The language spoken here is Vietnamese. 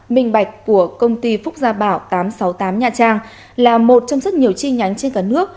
minh bạch của công ty phúc gia bảo tám trăm sáu mươi tám nha trang là một trong rất nhiều chi nhánh trên cả nước